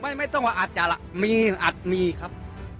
ไม่ต้องว่าอาจจะล่ะมีอาจมีครับ